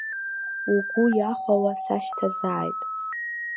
Угәы иахәауа сашьҭазааит.